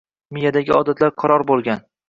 Miyadagi odatlar qaror bo'lgan.